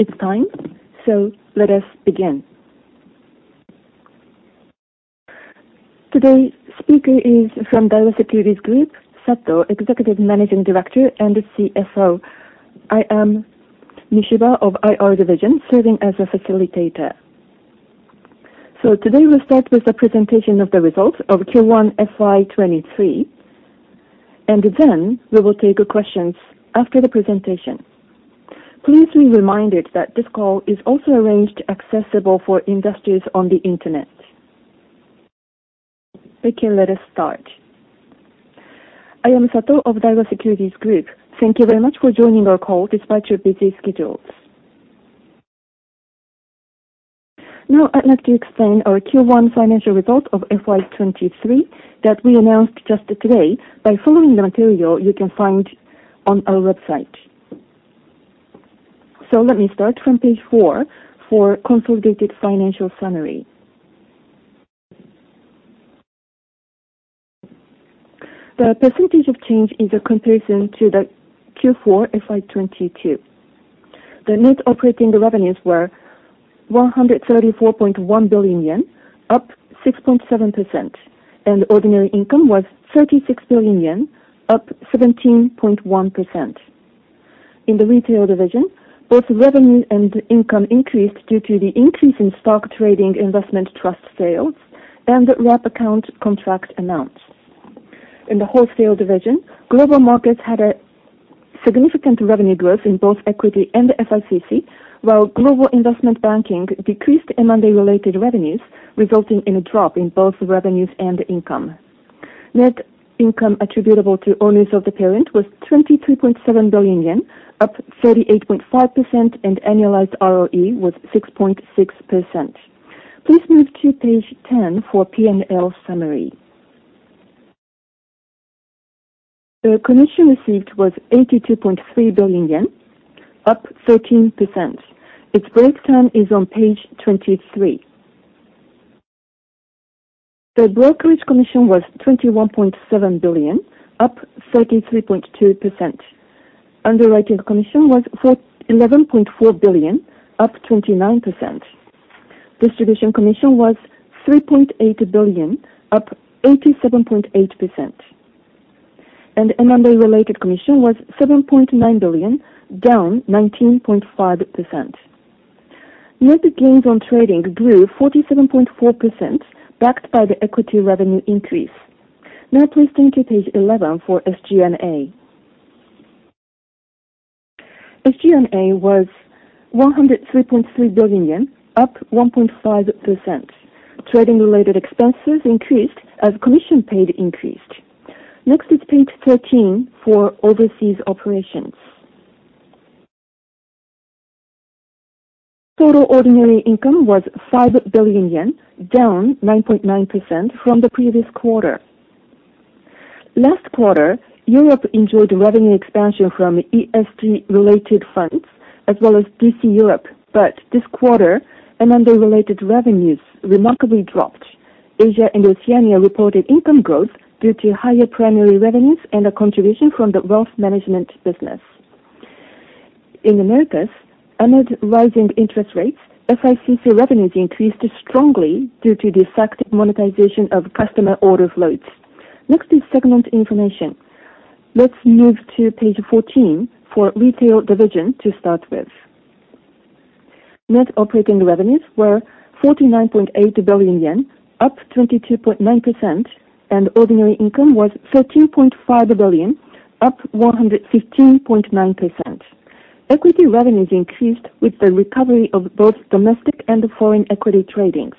It's time, let us begin. Today's speaker is from Daiwa Securities Group, Sato, Executive Managing Director and the CFO. I am Mishiba of IR Division, serving as a facilitator. Today we'll start with the presentation of the results of Q1 FY 2023, and then we will take your questions after the presentation. Please be reminded that this call is also arranged accessible for industries on the internet. Okay, let us start. I am Sato of Daiwa Securities Group. Thank you very much for joining our call despite your busy schedules. Now, I'd like to explain our Q1 financial results of FY 2023 that we announced just today by following the material you can find on our website. Let me start from page four for consolidated financial summary. The percentage of change is a comparison to the Q4 FY 2022. The net operating revenues were 134.1 billion yen, up 6.7%, and ordinary income was 36 billion yen, up 17.1%. In the retail division, both revenue and income increased due to the increase in stock trading investment trust sales and wrap account contract amounts. In the wholesale division, global markets had a significant revenue growth in both equity and FICC, while global investment banking decreased M&A-related revenues, resulting in a drop in both revenues and income. Net income attributable to owners of the parent was 23.7 billion yen, up 38.5%, and annualized ROE was 6.6%. Please move to page 10 for P&L summary. The commission received was 82.3 billion yen, up 13%. Its breakdown is on page 23. The brokerage commission was 21.7 billion, up 33.2%. Underwriting commission was for 11.4 billion, up 29%. Distribution commission was 3.8 billion, up 87.8%. M&A-related commission was 7.9 billion, down 19.5%. Net gains on trading grew 47.4%, backed by the equity revenue increase. Now please turn to page 11 for SG&A. SG&A was 103.3 billion yen, up 1.5%. Trading-related expenses increased as commission paid increased. Next is page 13 for overseas operations. Total ordinary income was 5 billion yen, down 9.9% from the previous quarter. Last quarter, Europe enjoyed revenue expansion from ESG-related funds as well as BC Europe. This quarter, M&A-related revenues remarkably dropped. Asia and Oceania reported income growth due to higher primary revenues and a contribution from the wealth management business. In Americas, amid rising interest rates, FICC revenues increased strongly due to the effective monetization of customer order flows. Next is segment information. Let's move to page 14 for retail division to start with. Net operating revenues were 49.8 billion yen, up 22.9%, and ordinary income was 13.5 billion, up 115.9%. Equity revenues increased with the recovery of both domestic and foreign equity tradings.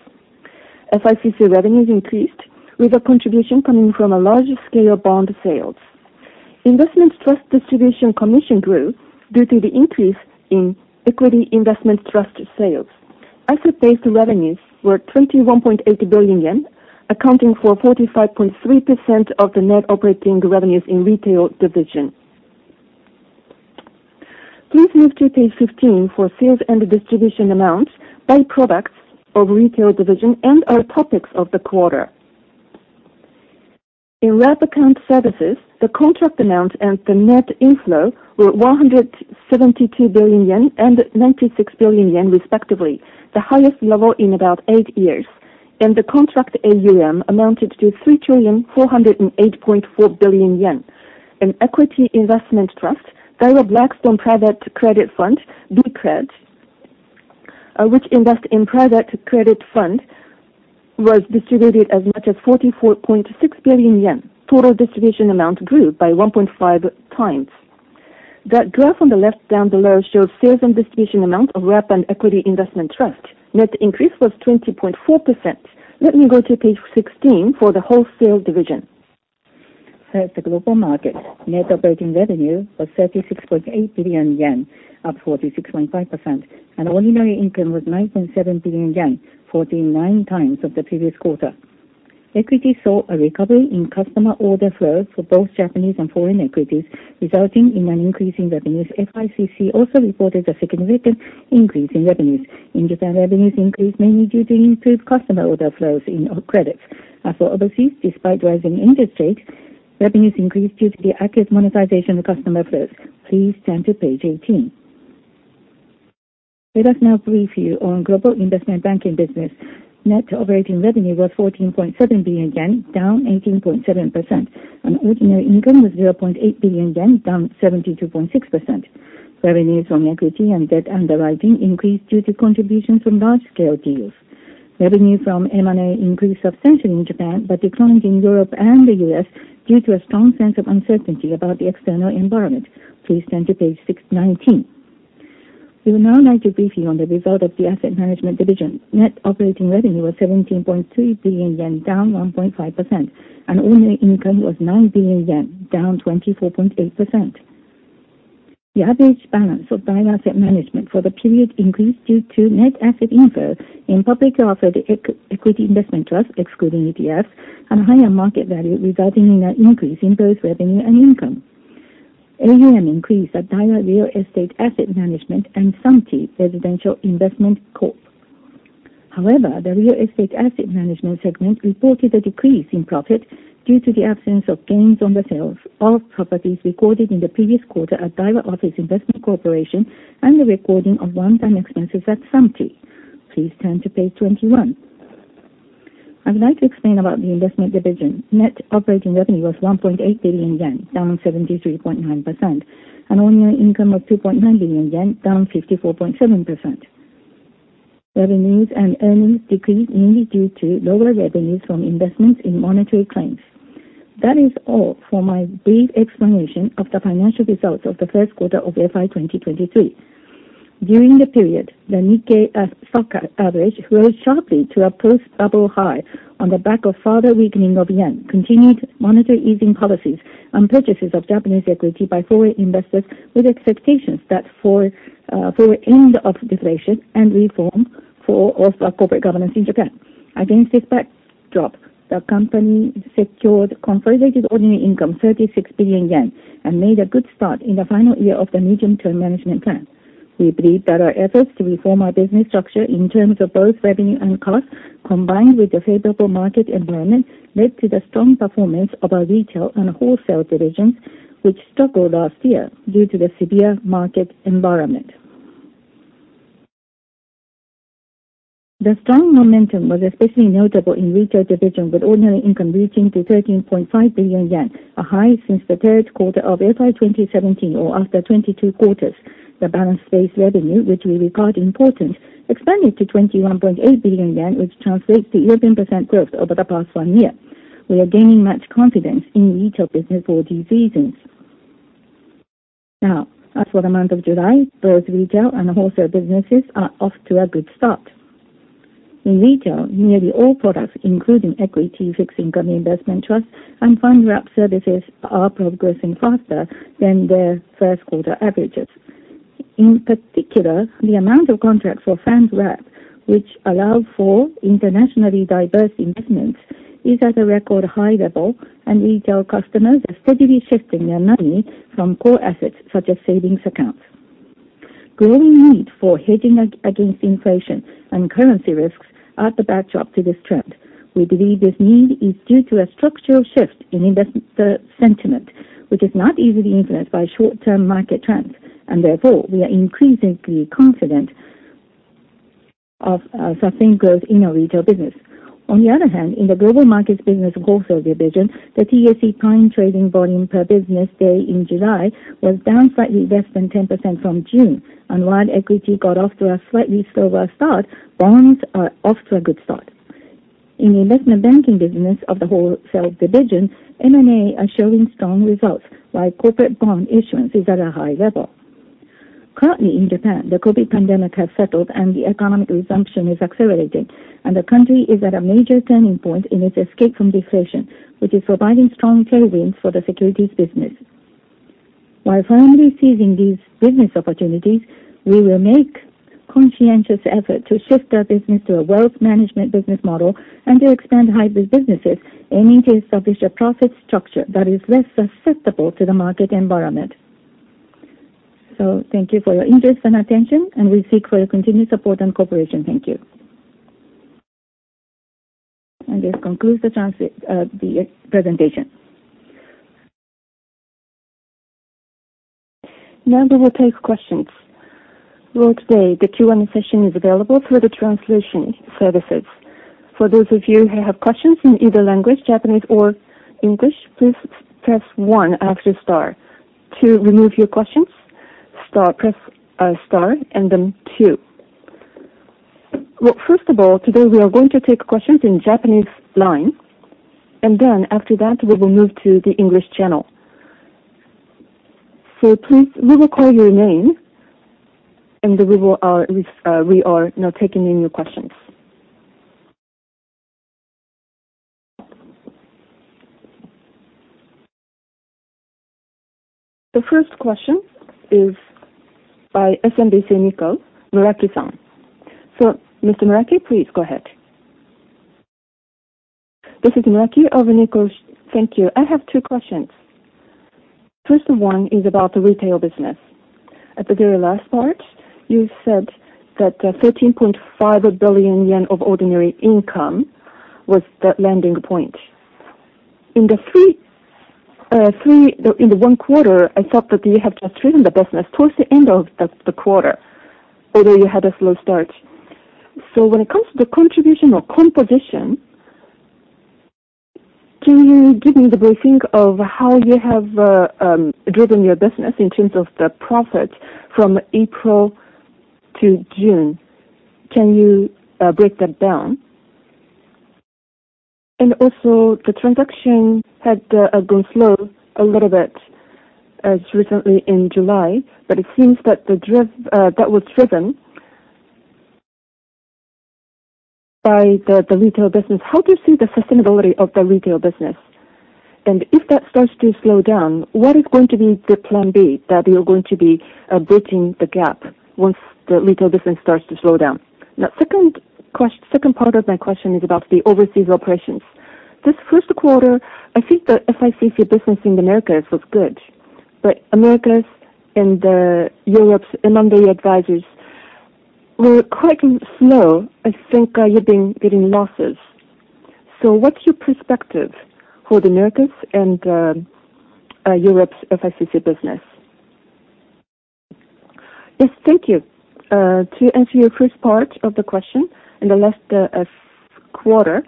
FICC revenues increased, with a contribution coming from a large scale bond sales. Investment trust distribution commission grew due to the increase in equity investment trust sales. Asset-based revenues were 21.8 billion yen, accounting for 45.3% of the net operating revenues in retail division. Please move to page 15 for sales and distribution amounts by products of retail division and our topics of the quarter. In wrap account services, the contract amount and the net inflow were 172 billion yen and 96 billion yen, respectively, the highest level in about 8 years, and the contract AUM amounted to 3,408.4 billion yen. In equity investment trust, Daiwa Blackstone Private Credit Fund, BCRED, which invest in private credit fund, was distributed as much as 44.6 billion yen. Total distribution amount grew by 1.5 times. That graph on the left down below shows sales and distribution amount of wrap and equity investment trust. Net increase was 20.4%. Let me go to page 16 for the wholesale division. First, the global market. Net operating revenue was 36.8 billion yen, up 46.5%. Ordinary income was 9.7 billion yen, 49 times of the previous quarter. Equity saw a recovery in customer order flows for both Japanese and foreign equities, resulting in an increase in revenues. FICC also reported a significant increase in revenues. In Japan, revenues increased mainly due to improved customer order flows in all credits. As for overseas, despite rising interest rates, revenues increased due to the active monetization of customer risk. Please turn to page 18. Let us now brief you on global investment banking business. Net operating revenue was 14.7 billion yen, down 18.7%, and ordinary income was 0.8 billion yen, down 72.6%. Revenues from equity and debt underwriting increased due to contributions from large scale deals. Revenue from M&A increased substantially in Japan, but declined in Europe and the U.S. due to a strong sense of uncertainty about the external environment. Please turn to page 19. We would now like to brief you on the result of the asset management division. Net operating revenue was 17.3 billion yen, down 1.5%, and ordinary income was 9 billion yen, down 24.8%. The average balance of Daiwa Asset Management for the period increased due to net asset inflow in publicly offered equity investment trust, excluding ETFs, and higher market value, resulting in an increase in both revenue and income. AUM increased at Daiwa Real Estate Asset Management and Samty Residential Investment Corp. The real estate asset management segment reported a decrease in profit due to the absence of gains on the sales of properties recorded in the previous quarter at Daiwa Office Investment Corporation and the recording of one-time expenses at Samty. Please turn to page 21. I would like to explain about the investment division. Net operating revenue was 1.8 billion yen, down 73.9%, and ordinary income was 2.9 billion yen, down 54.7%. Revenues and earnings decreased mainly due to lower revenues from investments in monetary claims. That is all for my brief explanation of the financial results of the first quarter of FY 2023. During the period, the Nikkei Stock Average rose sharply to a post-bubble high on the back of further weakening of yen, continued monetary easing policies, and purchases of Japanese equity by foreign investors, with expectations that for end of deflation and reform for also corporate governance in Japan. Against this backdrop, the company secured consolidated ordinary income, 36 billion yen, and made a good start in the final year of the medium-term management plan. We believe that our efforts to reform our business structure in terms of both revenue and cost, combined with the favorable market environment, led to the strong performance of our retail and wholesale divisions, which struggled last year due to the severe market environment. The strong momentum was especially notable in retail division, with ordinary income reaching to 13.5 billion yen, a high since the third quarter of FY 2017, or after 22 quarters. The balance-based revenue, which we regard important, expanded to 21.8 billion yen, which translates to 18% growth over the past one year. We are gaining much confidence in retail business for these reasons. Now, as for the month of July, both retail and wholesale businesses are off to a good start. In retail, nearly all products, including equity, fixed income, investment trust, and fund wrap services, are progressing faster than their first quarter averages. In particular, the amount of contracts for fund wrap, which allow for internationally diverse investments, is at a record high level, and retail customers are steadily shifting their money from core assets such as savings accounts. Growing need for hedging against inflation and currency risks are the backdrop to this trend. We believe this need is due to a structural shift in investor sentiment, which is not easily influenced by short-term market trends, and therefore, we are increasingly confident of sustained growth in our retail business. On the other hand, in the global markets business wholesale division, the TSE Prime trading volume per business day in July was down slightly less than 10% from June, and while equity got off to a slightly slower start, bonds are off to a good start. In the investment banking business of the wholesale division, M&A are showing strong results, while corporate bond issuance is at a high level. Currently in Japan, the COVID pandemic has settled and the economic resumption is accelerating, and the country is at a major turning point in its escape from deflation, which is providing strong tailwinds for the securities business. By firmly seizing these business opportunities, we will make conscientious effort to shift our business to a wealth management business model and to expand hybrid businesses, aiming to establish a profit structure that is less susceptible to the market environment. Thank you for your interest and attention, we seek for your continued support and cooperation. Thank you. This concludes the transit, the presentation. Now, we will take questions. Well, today, the Q&A session is available through the translation services. For those of you who have questions in either language, Japanese or English, please press one after star. To remove your questions, star press star, and then two. First of all, today, we are going to take questions in Japanese line, and then after that, we will move to the English channel. We will call your name, and we will, we are now taking in your questions. The first question is by SMBC Nikko, Muraki-san. Mr. Muraki, please go ahead. This is Muraki of Nikko. Thank you. I have two questions. First one is about the retail business. At the very last part, you said that 13.5 billion yen of ordinary income was the landing point. In the one quarter, I thought that you have just driven the business towards the end of the quarter, although you had a slow start. When it comes to the contribution or composition, can you give me the briefing of how you have driven your business in terms of the profit from April to June? Can you break that down? The transaction had gone slow a little bit as recently in July, but it seems that the drive that was driven by the retail business. How do you see the sustainability of the retail business? If that starts to slow down, what is going to be the plan B, that you're going to be bridging the gap once the retail business starts to slow down? Second quest- second part of my question is about the overseas operations. This first quarter, I think the FICC business in Americas was good, but Americas and Europe's, among the advisors were quite slow. I think you've been getting losses. What's your perspective for the Americas and Europe's FICC business? Yes, thank you. To answer your first part of the question, in the last quarter,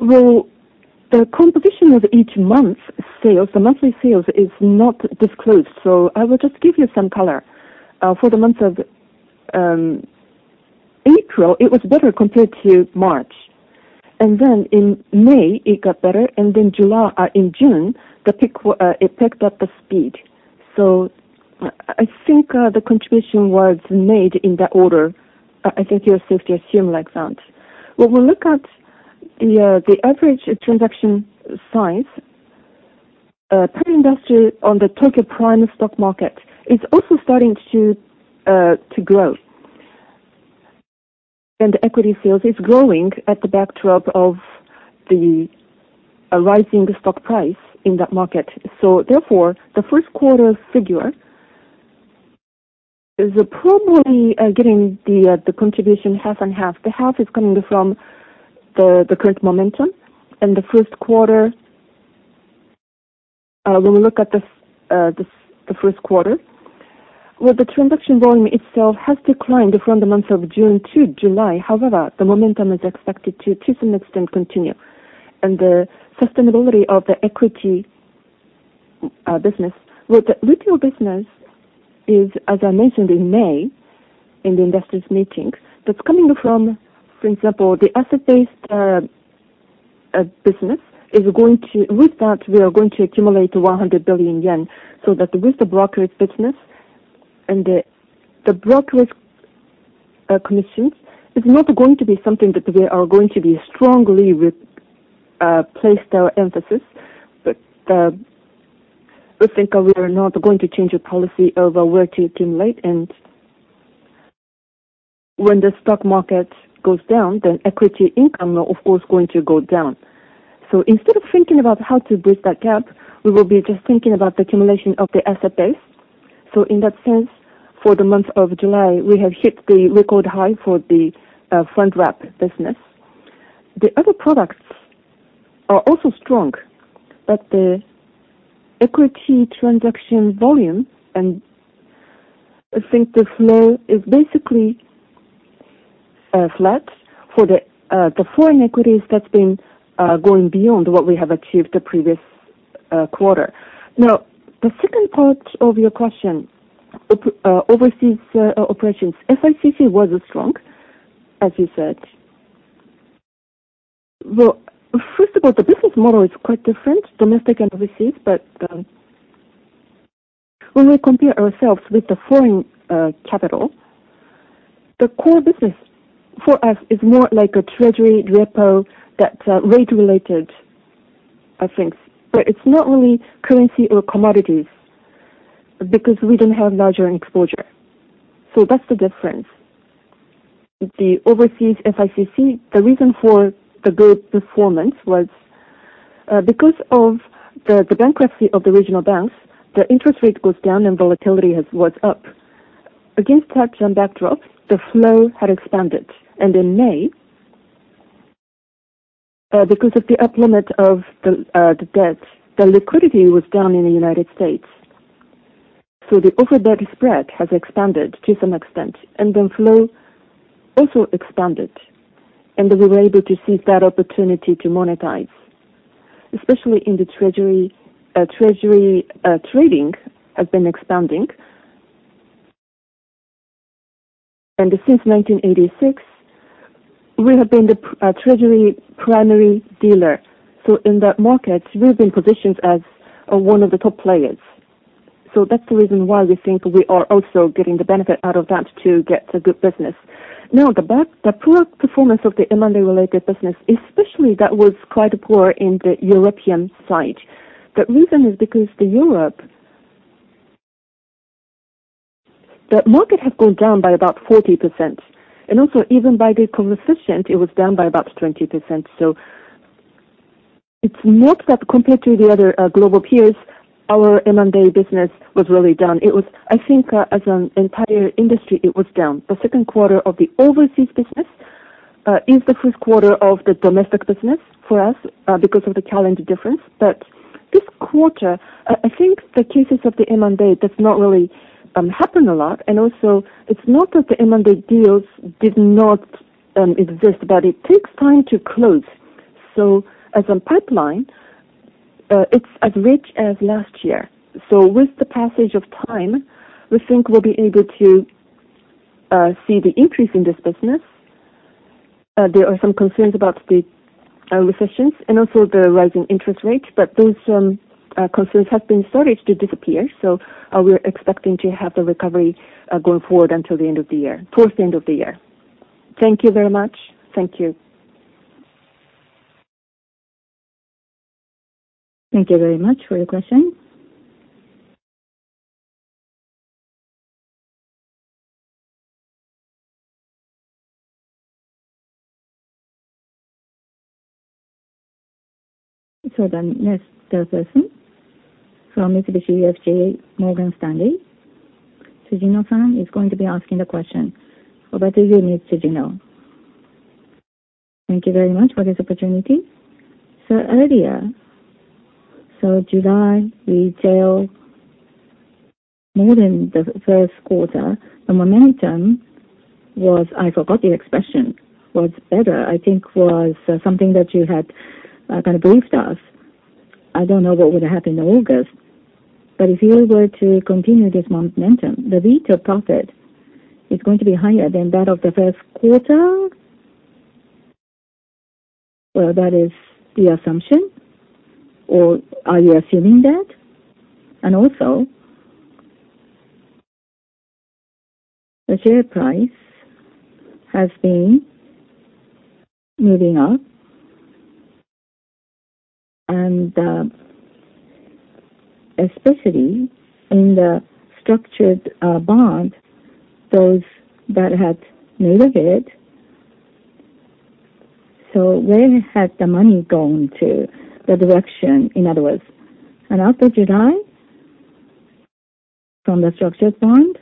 well, the composition of each month's sales, the monthly sales, is not disclosed, so I will just give you some color. For the month of April, it was better compared to March. In May, it got better. July, in June, the pick, it picked up the speed. I, I think the contribution was made in that order. I, I think you're safe to assume like that. When we look at the average transaction size per industry on the Tokyo Prime stock market, it's also starting to grow. Equity sales is growing at the backdrop of the rising stock price in that market. Therefore, the first quarter figure is probably getting the contribution half and half. The half is coming from the, the current momentum and the first quarter, when we look at the, the first quarter, well the transaction volume itself has declined from the month of June to July. However, the momentum is expected to, to some extent continue, and the sustainability of the equity business with retail business is, as I mentioned in May, in the investors' meetings, that's coming from, for example, the asset-based business, is going to, with that we are going to accumulate 100 billion yen, so that with the brokerage business and the, the brokerage commissions, it's not going to be something that we are going to be strongly with, place our emphasis. We think we are not going to change our policy of where to accumulate, and when the stock market goes down, then equity income are, of course, going to go down. Instead of thinking about how to bridge that gap, we will be just thinking about the accumulation of the asset base. In that sense, for the month of July, we have hit the record high for the fund wrap business. The other products are also strong, but the equity transaction volume, and I think the flow is basically flat for the foreign equities that's been going beyond what we have achieved the previous quarter. The second part of your question, overseas operations. FICC was strong, as you said. First of all, the business model is quite different, domestic and overseas, but, when we compare ourselves with the foreign, capital, the core business for us is more like a treasury repo that's, rate related, I think. It's not only currency or commodities, because we don't have larger exposure. That's the difference. The overseas FICC, the reason for the good performance was, because of the bankruptcy of the regional banks, the interest rate goes down and volatility was up. Against such on backdrop, the flow had expanded, and in May, because of the up limit of the debt, the liquidity was down in the United States. The overdebt spread has expanded to some extent, and the flow also expanded, and we were able to seize that opportunity to monetize, especially in the Treasury trading has been expanding. Since 1986, we have been the Treasury primary dealer. In that market, we've been positioned as one of the top players. That's the reason why we think we are also getting the benefit out of that to get a good business. Now, the back, the poor performance of the M&A-related business, especially that was quite poor in the European side. The reason is because the Europe, the market has gone down by about 40%, and also even by the coefficient, it was down by about 20%. It's not that compared to the other global peers, our M&A business was really down. It was, I think, as an entire industry, it was down. The second quarter of the overseas business is the first quarter of the domestic business for us, because of the calendar difference. This quarter, I think the cases of the M&A does not really happen a lot, and also it's not that the M&A deals did not exist, but it takes time to close. As a pipeline, it's as rich as last year. With the passage of time, we think we'll be able to see the increase in this business. There are some concerns about the recessions and also the rising interest rates, but those concerns have been started to disappear, so we're expecting to have the recovery going forward until the end of the year, towards the end of the year. Thank you very much. Thank you. Thank you very much for your question. The next person from Mitsubishi UFJ Morgan Stanley. Tsujino-san is going to be asking the question. Over to you, Mr. Tsujino. Thank you very much for this opportunity. Earlier, so July, retail, more than the first quarter, the momentum was, I forgot the expression, was better, I think was something that you had kind of briefed us. I don't know what would happen in August, but if you were to continue this momentum, the retail profit is going to be higher than that of the first quarter? Well, that is the assumption, or are you assuming that? Also, the share price has been moving up, and especially in the structured bond, those that had made a bit, so where has the money gone to, the direction, in other words? After July, from the structured bond,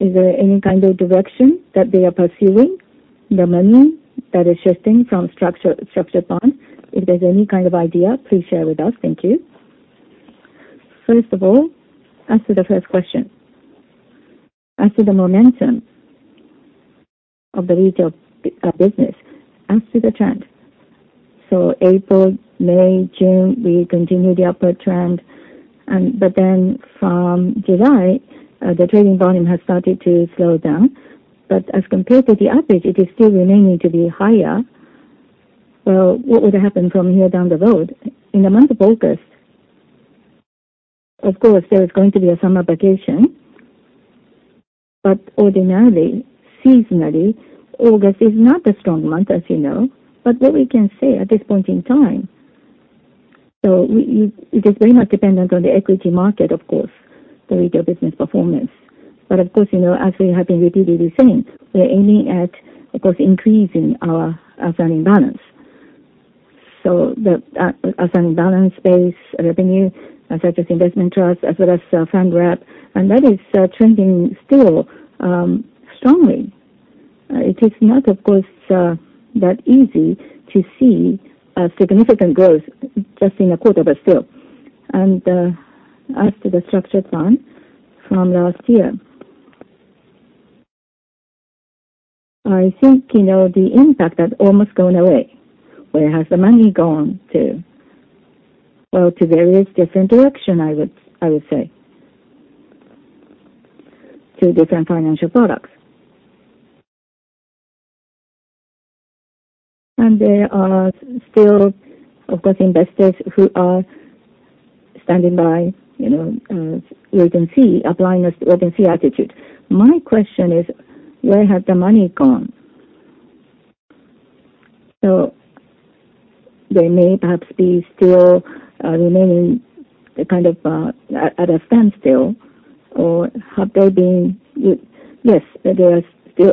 is there any kind of direction that they are pursuing, the money that is shifting from structure, structured bond? If there's any kind of idea, please share with us. Thank you. First of all, as to the first question, as to the momentum of the retail business, as to the trend. April, May, June, we continued the upward trend, and but then from July, the trading volume has started to slow down. As compared to the average, it is still remaining to be higher. Well, what would happen from here down the road? In the month of August, of course, there is going to be a summer vacation, but ordinarily, seasonally, August is not a strong month, as you know. What we can say at this point in time, it is very much dependent on the equity market, of course, the retail business performance. Of course, you know, as we have been repeatedly saying, we are aiming at, of course, increasing our asset balance. The asset balance base revenue, such as investment trust as well as fund wrap, and that is trending still strongly. It is not, of course, that easy to see a significant growth just in a quarter, but still. As to the structured fund from last year, I think you know the impact has almost gone away. Where has the money gone to? Well, to various different direction, I would, I would say, to different financial products. There are still, of course, investors who are standing by, you know, wait and see, applying a wait and see attitude. My question is, where has the money gone? There may perhaps be still remaining a kind of at a standstill, or have they been, Yes, they are still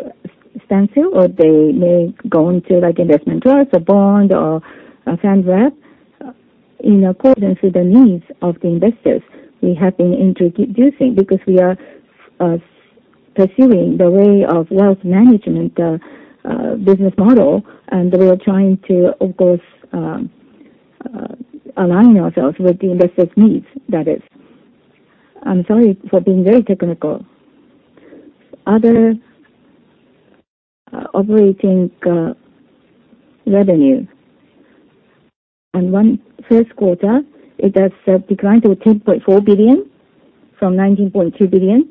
standstill, or they may go into, like, investment trust, or bond, or a fund wrap. In accordance with the needs of the investors, we have been introducing because we are pursuing the way of wealth management business model, and we are trying to, of course, align ourselves with the investors' needs, that is. I'm sorry for being very technical. Other operating revenue, one first quarter, it has declined to 10.4 billion from 19.2 billion.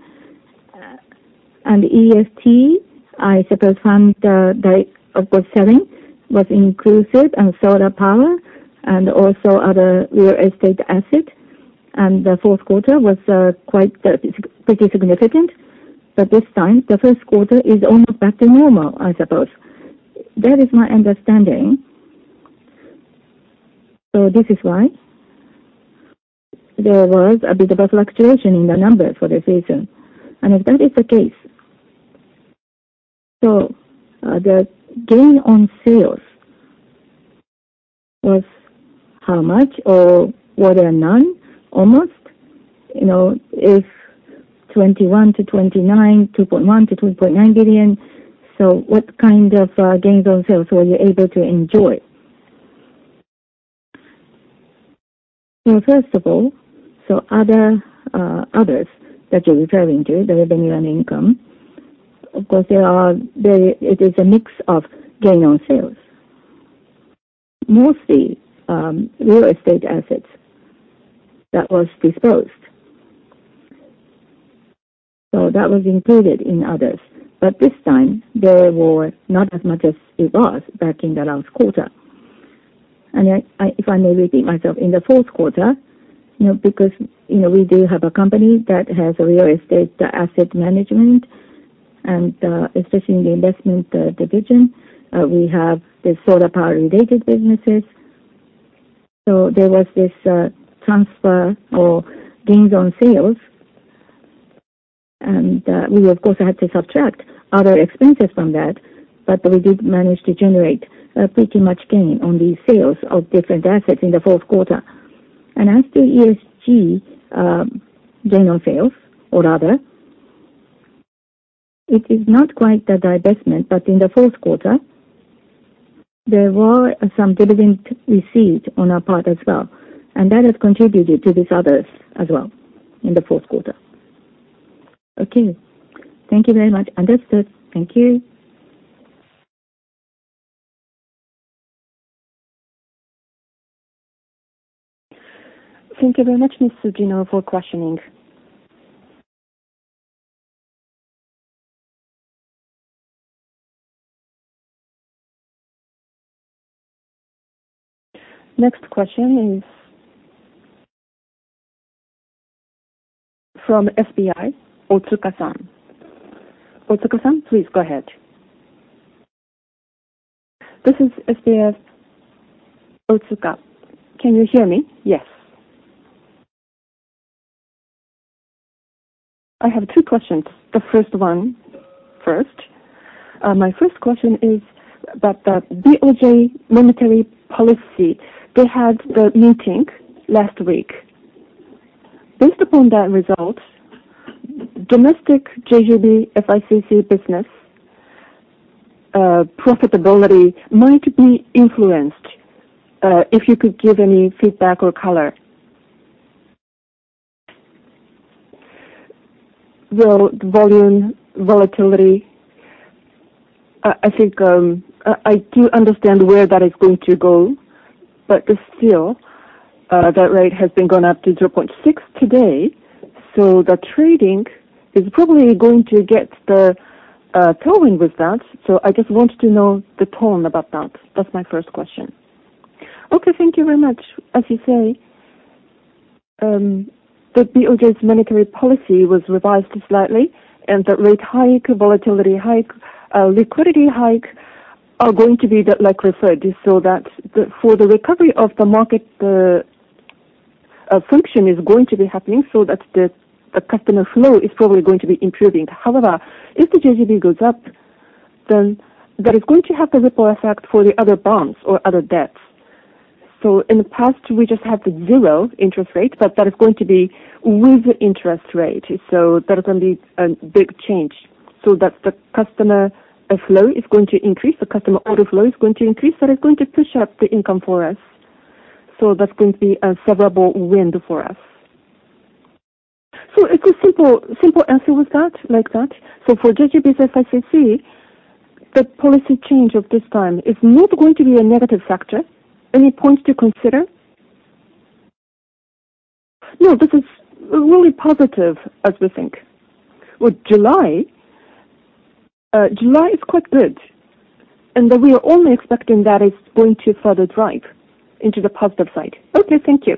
ETF, I suppose from the, the, of course, selling was inclusive and solar power and also other real estate asset, and the fourth quarter was quite pretty significant. This time, the first quarter is almost back to normal, I suppose. That is my understanding. This is why there was a bit of a fluctuation in the numbers for the season. If that is the case, so the gain on sales was how much or were there none, almost? You know, if 21 billion-29 billion, 2.1 billion-2.9 billion, so what kind of gains on sales were you able to enjoy? Well, first of all, so other, others that you're referring to, the revenue and income, of course, it is a mix of gain on sales. Mostly, real estate assets that was disposed. That was included in others. This time there were not as much as it was back in the last quarter. I, if I may repeat myself, in the fourth quarter, you know, because, you know, we do have a company that has a real estate asset management, and especially in the investment, division, we have the solar power-related businesses. There was this transfer or gains on sales, we of course, had to subtract other expenses from that, but we did manage to generate pretty much gain on these sales of different assets in the fourth quarter. As the ESG gain on sales or other, it is not quite the divestment, but in the fourth quarter, there were some dividend received on our part as well, and that has contributed to these others as well in the fourth quarter. Thank you very much. Understood. Thank you. Thank you very much, Ms. Tsujino, for questioning. Next question is from SBI, Otsuka-san. Otsuka-san, please go ahead. This is SBI, Otsuka. Can you hear me? Yes. I have two questions. The first one, my first question is about the BOJ monetary policy. They had the meeting last week. Based upon that result, domestic JGB FICC business, profitability might be influenced, if you could give any feedback or color. Well, volume, volatility, I think, I do understand where that is going to go. Still, that rate has been gone up to 0.6 today, the trading is probably going to get the tolling with that. I just wanted to know the tone about that. That's my first question. Okay, thank you very much. As you say, the BOJ's monetary policy was revised slightly, the rate hike, volatility hike, liquidity hike are going to be the like referred, so that the for the recovery of the market function is going to be happening so that the customer flow is probably going to be improving. However, if the JGB goes up, then that is going to have a ripple effect for the other bonds or other debts. In the past, we just had the zero interest rate, but that is going to be with interest rate. That is going to be a big change, so that the customer flow is going to increase, the customer order flow is going to increase, that is going to push up the income for us. That's going to be a favorable win for us. It's a simple, simple answer with that, like that? For JGB FICC, the policy change of this time is not going to be a negative factor. Any points to consider? No, this is really positive, as we think. Well, July, July is quite good, and we are only expecting that it's going to further drive into the positive side. Okay, thank you.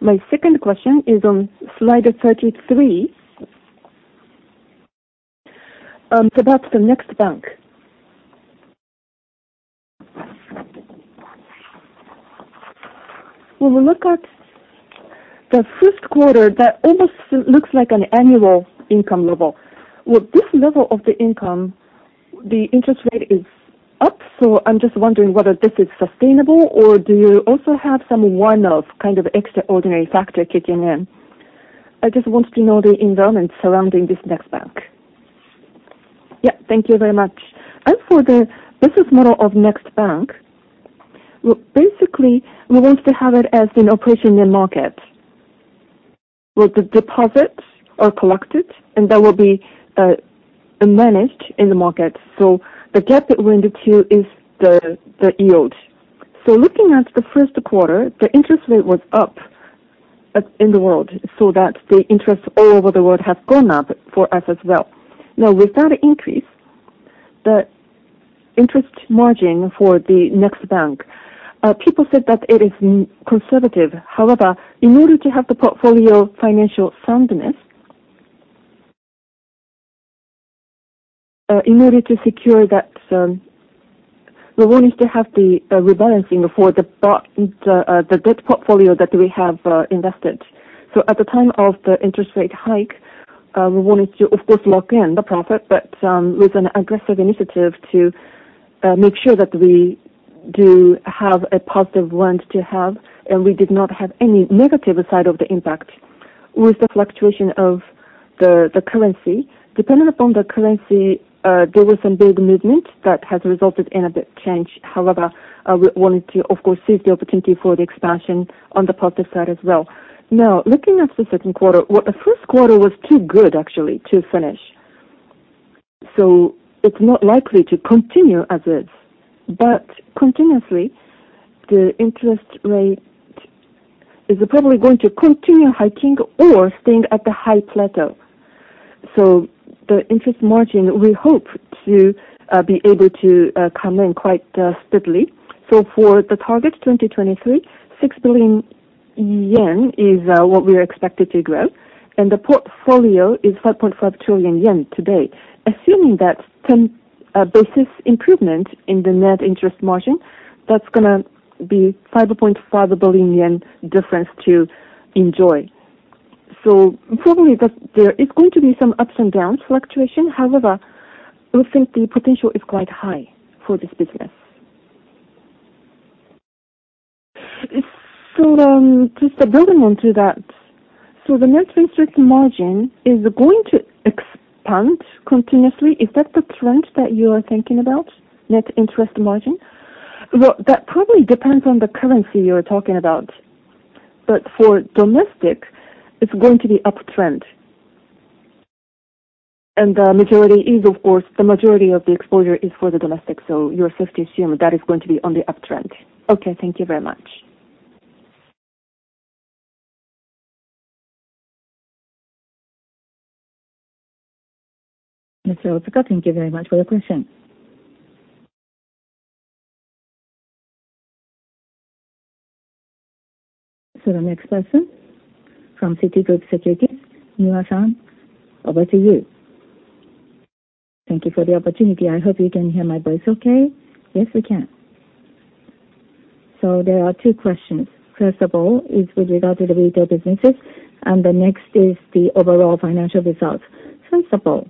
My second question is on slide 33. That's the Next Bank. When we look at the first quarter, that almost looks like an annual income level. With this level of the income, the interest rate is up, so I'm just wondering whether this is sustainable or do you also have some one-off, kind of, extraordinary factor kicking in? I just wanted to know the environment surrounding this Next Bank. Yeah. Thank you very much. As for the business model of Next Bank, well, basically we want to have it as an operation in market, where the deposits are collected and that will be managed in the market. The gap that we're into is the yield. Looking at the first quarter, the interest rate was up in the world, so that the interest all over the world has gone up for us as well. Now, with that increase, the interest margin for the Next Bank, people said that it is conservative. However, in order to have the portfolio financial soundness. In order to secure that, we wanted to have the rebalancing for the debt portfolio that we have invested. At the time of the interest rate hike, we wanted to, of course, lock in the profit, but with an aggressive initiative to make sure that we do have a positive lens to have, and we did not have any negative side of the impact. With the fluctuation of the currency, depending upon the currency, there was some big movement that has resulted in a bit change. However, we wanted to, of course, seize the opportunity for the expansion on the positive side as well. Now, looking at the second quarter, well, the first quarter was too good, actually, to finish. It's not likely to continue as is. Continuously, the interest rate is probably going to continue hiking or staying at the high plateau. The interest margin, we hope to be able to come in quite steadily. For the target 2023, 6 billion yen is what we are expected to grow, and the portfolio is 5.5 trillion yen today. Assuming that 10 basis improvement in the net interest margin, that's gonna be 5.5 billion yen difference to enjoy. Probably that there is going to be some ups and downs fluctuation. However, we think the potential is quite high for this business. It's so, just building onto that, the net interest margin is going to expand continuously. Is that the trend that you are thinking about, net interest margin? Well, that probably depends on the currency you are talking about, but for domestic, it's going to be uptrend. The majority is, of course, the majority of the exposure is for the domestic, so you're safe to assume that is going to be on the uptrend. Okay, thank you very much. Mr. Otsuka, thank you very much for the question. The next person from Citigroup Securities, Niwa-san, over to you. Thank you for the opportunity. I hope you can hear my voice okay. Yes, we can. There are two questions. First of all, is with regard to the retail businesses, and the next is the overall financial results. First of all,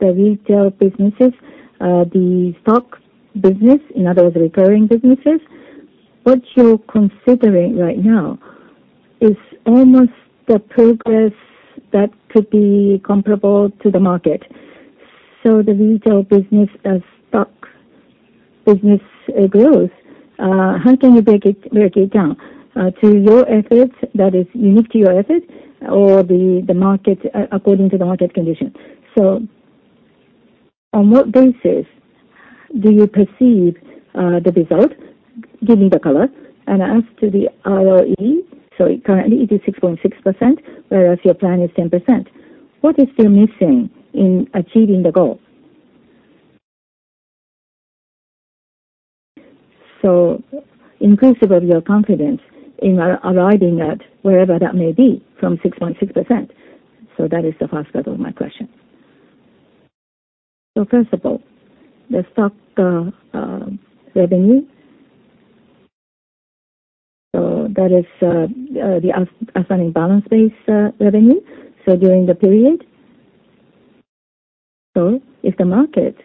the retail businesses, the stock business, in other words, recurring businesses, what you're considering right now is almost the progress that could be comparable to the market. The retail business as stock business, growth, how can you break it, break it down, to your efforts, that is unique to your efforts or the, the market according to the market conditions? On what basis do you perceive the result giving the color? As to the ROE, so currently it is 6.6%, whereas your plan is 10%. What is still missing in achieving the goal? Increase your confidence in arriving at wherever that may be from 6.6%. That is the first part of my question. First of all, the stock revenue. That is the asset and balance base revenue during the period. If the market,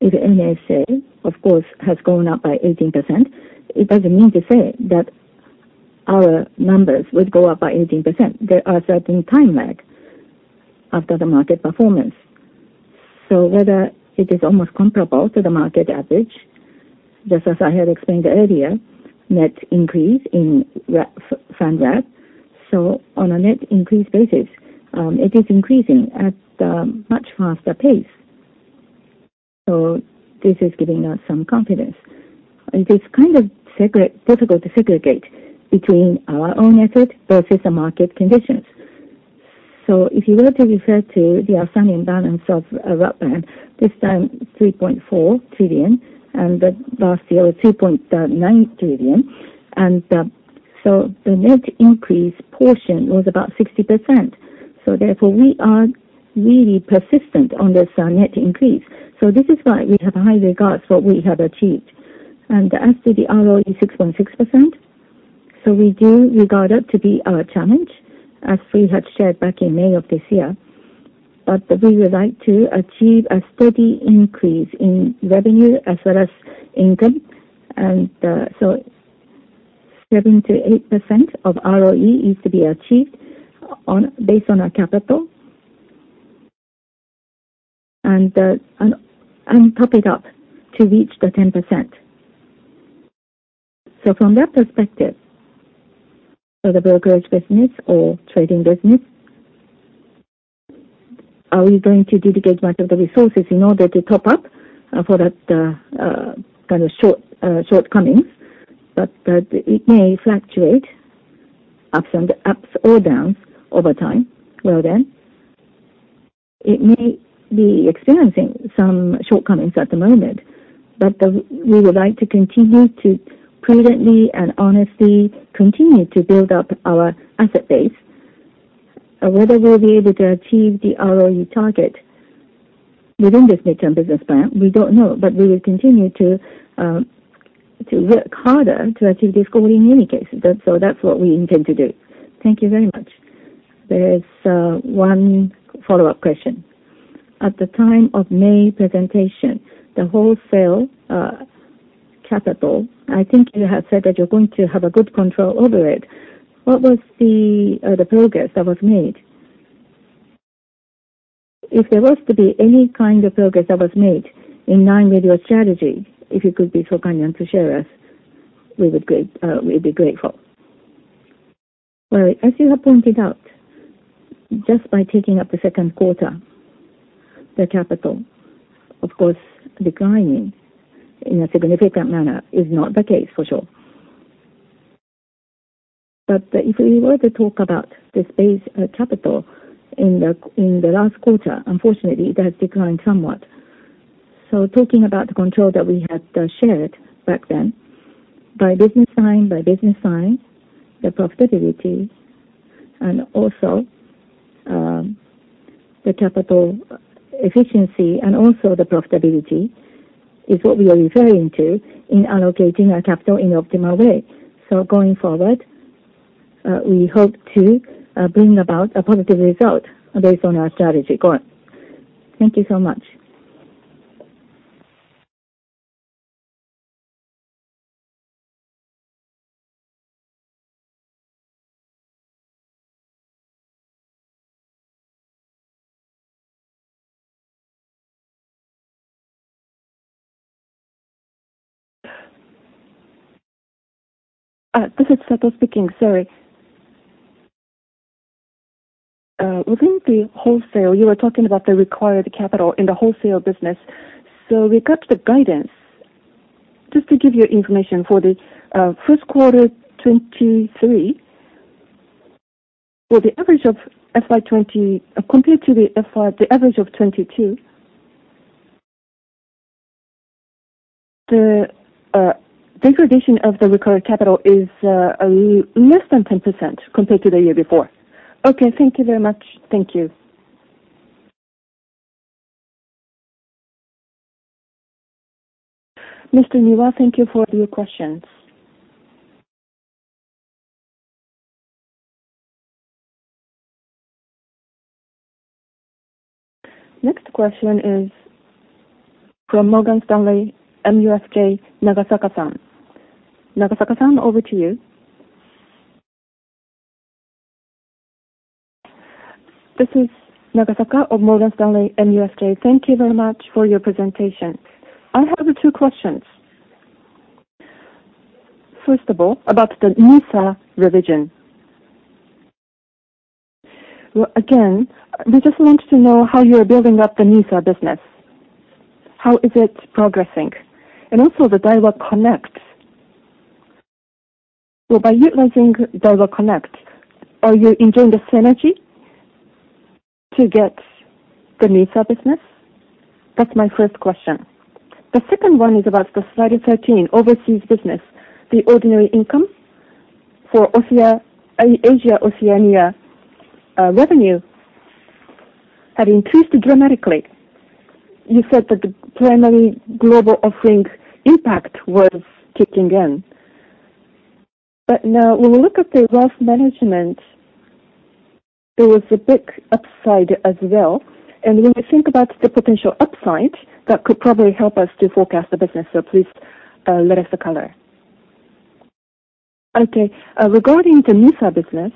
if NISA, of course, has gone up by 18%, it doesn't mean to say that our numbers would go up by 18%. There are certain time lag after the market performance. Whether it is almost comparable to the market average, just as I had explained earlier, net increase in fund wrap. On a net increase basis, it is increasing at a much faster pace. This is giving us some confidence. It is kind of difficult to segregate between our own efforts versus the market conditions. If you were to refer to the asset and balance of Rakuten, this time 3.4 trillion, the last year was 2.9 trillion. The net increase portion was about 60%. Therefore, we are really persistent on this net increase. This is why we have high regards what we have achieved. As to the ROE 6.6%, we do regard it to be our challenge, as we had shared back in May of this year. We would like to achieve a steady increase in revenue as well as income. 7%-8% of ROE is to be achieved on, based on our capital. And top it up to reach the 10%. From that perspective, so the brokerage business or trading business, are we going to dedicate much of the resources in order to top up for that kind of short shortcomings? It may fluctuate ups and ups or downs over time. Well, then it may be experiencing some shortcomings at the moment. We would like to continue to prudently and honestly continue to build up our asset base. Whether we'll be able to achieve the ROE target within this midterm business plan, we don't know, but we will continue to work harder to achieve this goal in any case. That's what we intend to do. Thank you very much. There is one follow-up question. At the time of May presentation, the wholesale, capital, I think you have said that you're going to have a good control over it. What was the progress that was made? If there was to be any kind of progress that was made in line with your strategy, if you could be so kind to share us, we'd be grateful. Well, as you have pointed out, just by taking up the second quarter, the capital, of course, declining in a significant manner is not the case for sure. But if we were to talk about this base, capital in the, in the last quarter, unfortunately, it has declined somewhat. Talking about the control that we had shared back then, by business line, by business line, the profitability and also the capital efficiency and also the profitability, is what we are referring to in allocating our capital in the optimal way. Going forward, we hope to bring about a positive result based on our strategy. Go on. Thank you so much. This is Sato speaking, sorry. Within the wholesale, you were talking about the required capital in the wholesale business. Regard to the guidance, just to give you information, for the first quarter 2023 compared to the FY, the average of 2022, the degradation of the required capital is less than 10% compared to the year before. Okay, thank you very much. Thank you. Mr. Niwa, thank you for your questions. Next question is from Morgan Stanley MUFG, Nagasaka-san. Nagasaka-san, over to you. This is Nagasaka of Morgan Stanley, MUFG. Thank you very much for your presentation. I have two questions. First of all, about the NISA revision. Well, again, we just want to know how you are building up the NISA business. How is it progressing? Also the Daiwa Connect. By utilizing Daiwa Connect, are you enjoying the synergy to get the NISA business? That's my first question. The second one is about the slide 13, overseas business. The ordinary income for Oceania, Asia, Oceania revenue, had increased dramatically. You said that the primary global offering impact was kicking in. Now, when we look at the wealth management, there was a big upside as well. When we think about the potential upside, that could probably help us to forecast the business. Please let us the color. Okay, regarding the NISA business,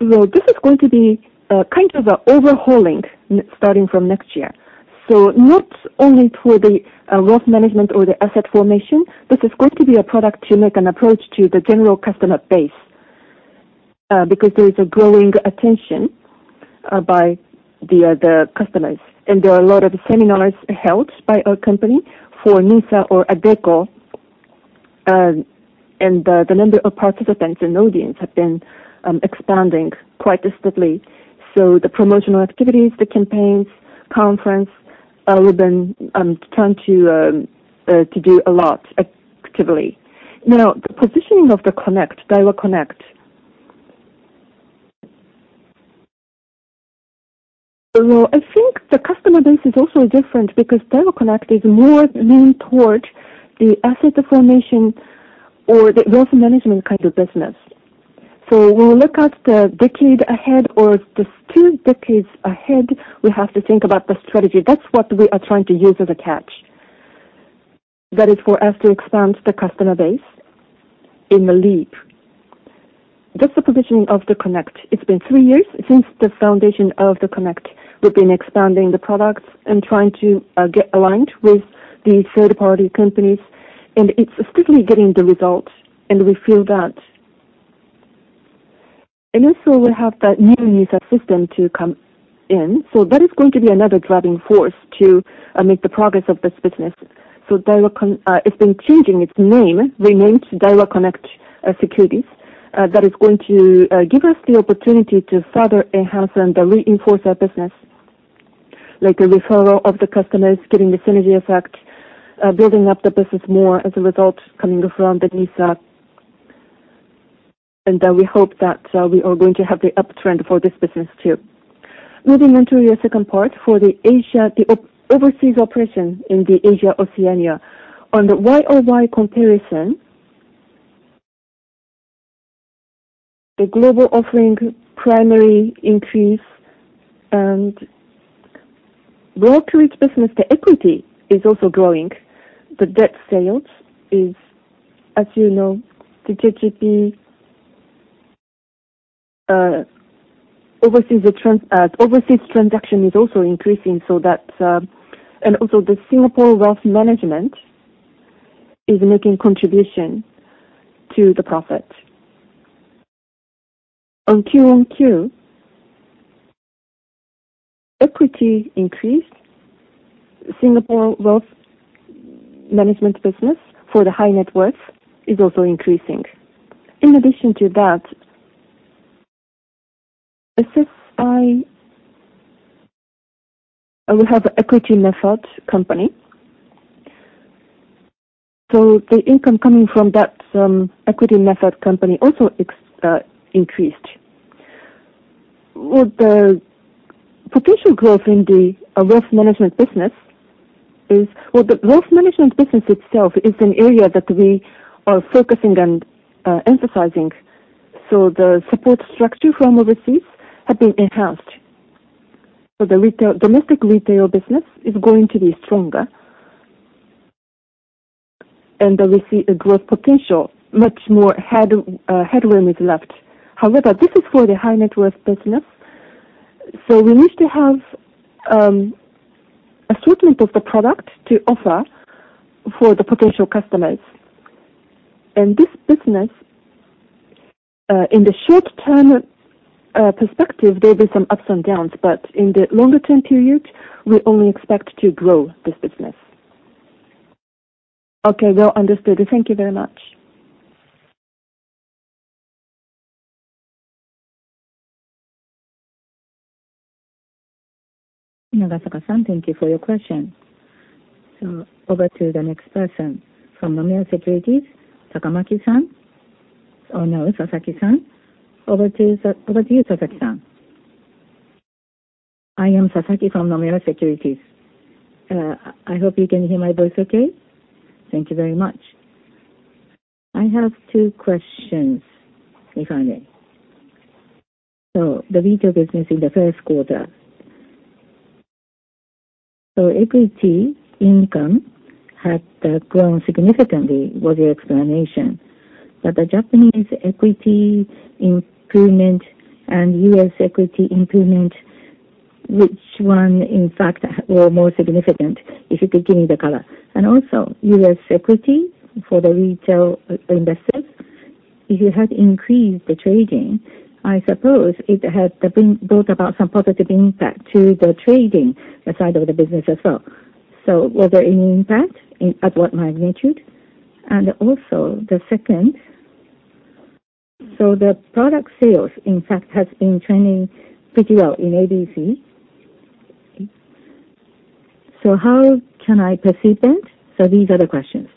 this is going to be kind of a overhauling starting from next year. Not only for the wealth management or the asset formation, this is going to be a product to make an approach to the general customer base, because there is a growing attention by the customers. There are a lot of seminars held by our company for NISA or iDeCo, and the number of participants and audience have been expanding quite steadily. The promotional activities, the campaigns, conference, we've been trying to do a lot actively. Now, the positioning of the Connect, Daiwa Connect, I think the customer base is also different because Daiwa Connect is more lean towards the asset formation or the wealth management kind of business. When we look at the decade ahead or the two decades ahead, we have to think about the strategy. That's what we are trying to use as a catch. That is for us to expand the customer base in the lead. That's the positioning of the Connect. It's been three years since the foundation of the Connect. We've been expanding the products and trying to get aligned with the third-party companies, and it's steadily getting the results, and we feel that. Also, we have that new NISA system to come in, so that is going to be another driving force to make the progress of this business. Daiwa Con, it's been changing its name, renamed Daiwa Connect Securities, that is going to give us the opportunity to further enhance and reinforce our business, like the referral of the customers, getting the synergy effect, building up the business more as a result coming from the NISA. We hope that we are going to have the uptrend for this business, too. Moving on to the second part, for the Asia, the ov- overseas operation in the Asia, Oceania. On the Y-o-Y comparison, the global offering primary increase and brokerage business, the equity is also growing. The debt sales is, as you know, the JGP, overseas the trans, overseas transaction is also increasing, so that's, also the Singapore wealth management is making contribution to the profit. On QoQ, equity increased. Singapore wealth management business for the high net worth is also increasing. In addition to that, SSI, we have an equity method company. The income coming from that equity method company also increased. With the potential growth in the wealth management business, well, the wealth management business itself is an area that we are focusing and emphasizing, so the support structure from overseas have been enhanced. The retail, domestic retail business is going to be stronger, and we see a growth potential, much more headroom is left. However, this is for the high net worth business, so we need to have assortment of the product to offer for the potential customers. This business, in the short-term perspective, there'll be some ups and downs, but in the longer term period, we only expect to grow this business. Okay, well understood. Thank you very much. Nagasaka-san, thank you for your question. Over to the next person. From Nomura Securities, Takamaki-san. Oh, no, Sasaki-san. Over to you, Sasaki-san. I am Sasaki from Nomura Securities. I hope you can hear my voice okay? Thank you very much. I have two questions, if I may. The retail business in the first quarter, equity income had grown significantly, was your explanation. The Japanese equity improvement and U.S. equity improvement, which one, in fact, were more significant, if you could give me the color? Also, U.S. equity for the retail investors, if you had increased the trading, I suppose it had brought about some positive impact to the trading side of the business as well. Was there any impact, and at what magnitude? The second, the product sales, in fact, has been trending pretty well in ABC. How can I perceive that? These are the questions.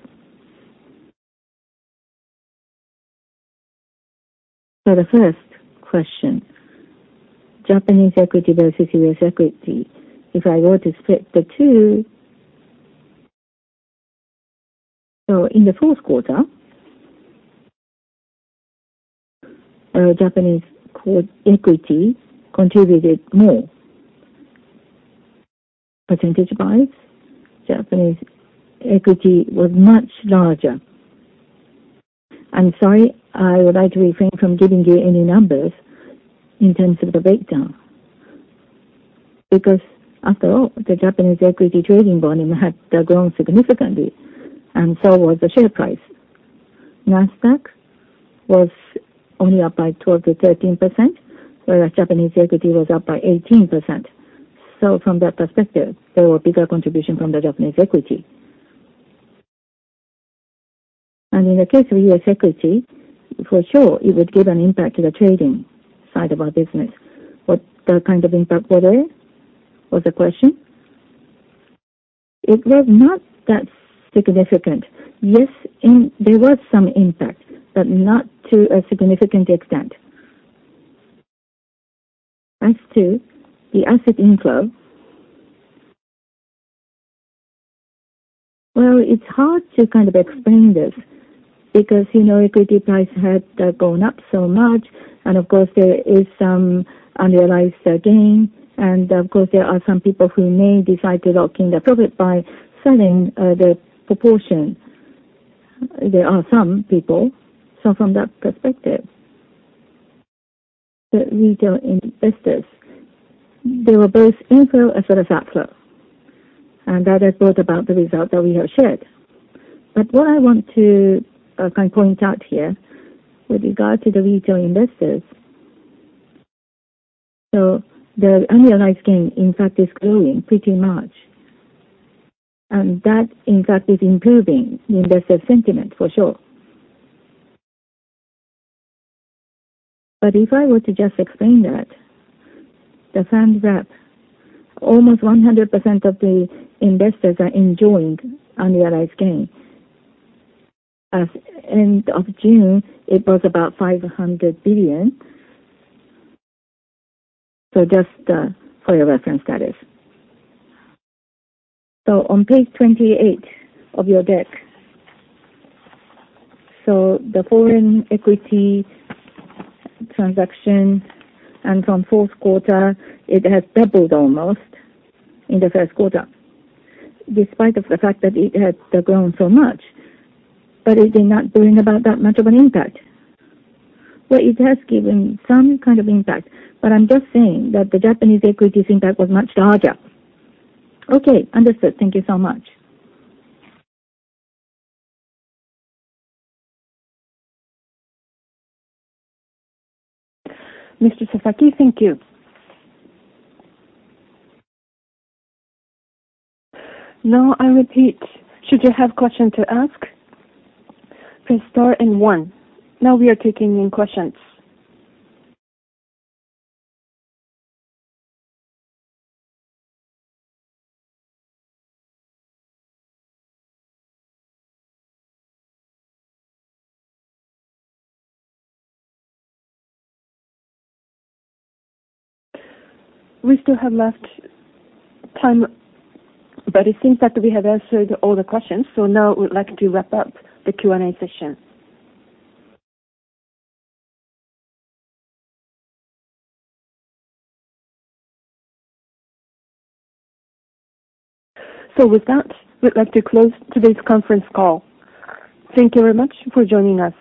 For the first question, Japanese equity versus U.S. equity. If I were to split the two, in the fourth quarter, Japanese core equity contributed more. Percentage-wise, Japanese equity was much larger. I'm sorry, I would like to refrain from giving you any numbers in terms of the breakdown, because after all, the Japanese equity trading volume had grown significantly, and so was the share price. Nasdaq was only up by 12%-13%, whereas Japanese equity was up by 18%. From that perspective, there were bigger contribution from the Japanese equity. In the case of U.S. equity, for sure, it would give an impact to the trading side of our business. What the kind of impact were there, was the question? It was not that significant. Yes, in, there was some impact, but not to a significant extent. As to the asset inflow, well, it's hard to kind of explain this, because, you know, equity price had gone up so much. Of course, there is some unrealized gain. Of course, there are some people who may decide to lock in their profit by selling the proportion. There are some people, so from that perspective, the retail investors, there were both inflow as well as outflow, and that has brought about the result that we have shared. What I want to kind of point out here with regard to the retail investors. The unrealized gain, in fact is growing pretty much, and that in fact, is improving the investor sentiment for sure. If I were to just explain that, the fund wrap, almost 100% of the investors are enjoying unrealized gain. As end of June, it was about 500 billion. Just for your reference, that is. On page 28 of your deck, the foreign equity transaction, and from fourth quarter, it has doubled almost in the first quarter, despite of the fact that it had grown so much, but it did not bring about that much of an impact. Well, it has given some kind of impact, but I'm just saying that the Japanese equity impact was much larger. Okay, understood. Thank you so much. Mr. Sasaki, thank you. Now, I repeat, should you have question to ask, please start in one. Now we are taking in questions. We still have left time, but it seems that we have answered all the questions, so now we'd like to wrap up the Q&A session. With that, we'd like to close today's conference call. Thank you very much for joining us.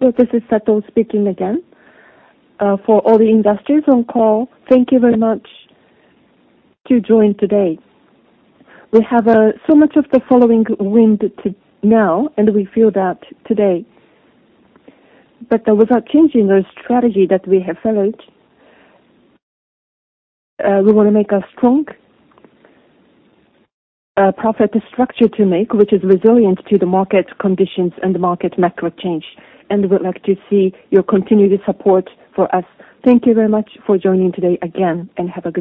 Hello, this is Sato speaking again. For all the investors on call, thank you very much to join today. We have so much of the following wind to now, and we feel that today. Without changing the strategy that we have followed, we want to make a strong profit structure to make, which is resilient to the market conditions and the market macro change. We'd like to see your continued support for us. Thank you very much for joining today again, and have a good day.